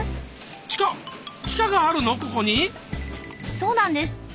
そうなんです。